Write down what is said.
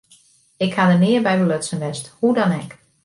Ik ha der nea by belutsen west, hoe dan ek.